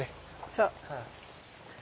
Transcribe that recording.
そう。